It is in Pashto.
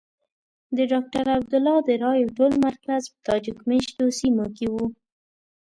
د ډاکټر عبدالله د رایو ټول مرکز په تاجک مېشتو سیمو کې وو.